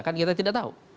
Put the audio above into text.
kan kita tidak tahu